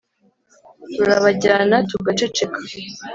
rurabajyana tugaceceka,